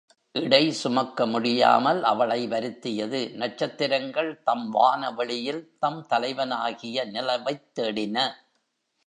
இடை சுமக்க முடியாமல் அவளை வருத்தியது. நட்சத்திரங்கள் தம் வானவெளியில் தம் தலைவனாகிய நிலவைத் தேடின.